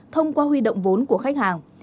thông qua huy động vốn của khách hàng